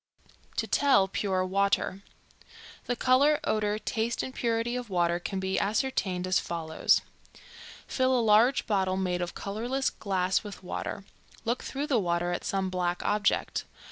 TO TELL PURE WATER. The color, odor, taste and purity of water can be ascertained as follows: Fill a large bottle made of colorless glass with water; look through the water at some black object.